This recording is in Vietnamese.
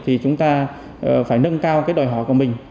thì chúng ta phải nâng cao cái đòi hỏi của mình